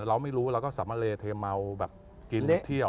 เราไม่รู้เราก็สัมเมล็ดเทมัลแบบกินเที่ยว